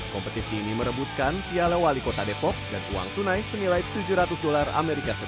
kompetisi ini merebutkan piala wali kota depok dan uang tunai senilai tujuh ratus dolar as